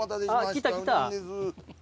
来た来た。